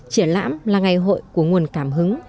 triển lãm là ngày hội của nguồn cảm hứng